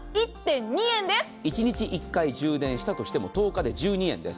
１日１回充電したとしても１０日で１２円です。